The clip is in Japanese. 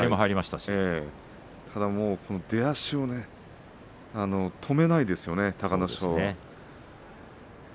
ただ出足をね止めないですね、隆の勝は。